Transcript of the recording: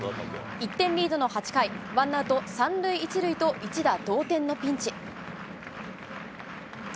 １点リードの８回、ワンアウト３塁１塁と、一打同点のピンチ。